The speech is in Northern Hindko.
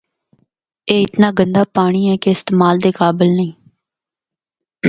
اے اتنا گندا پانڑی اے کہ استعمال دے قابل نیں۔